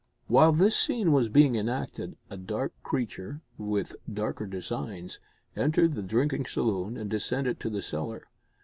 While this scene was being enacted a dark creature, with darker designs, entered the drinking saloon and descended to the cellar.